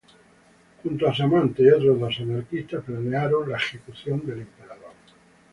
Junto a su amante y otros dos anarquistas planearon el asesinato del Emperador.